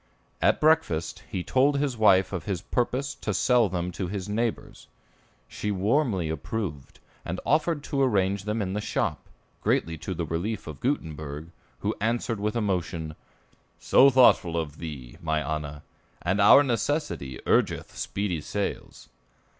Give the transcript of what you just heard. At breakfast he told his wife of his purpose to sell them to his neighbors. She warmly approved, and offered to arrange them in the shop, greatly to the relief of Gutenberg, who answered with emotion, "So thoughtful of thee, my Anna; and our necessity urgeth speedy sales."